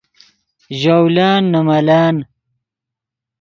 ژولن نے ملن